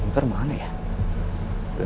tidak ada aku